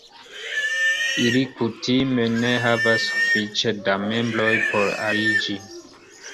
Ili kutime ne havas sufiĉe da membroj por aliĝi.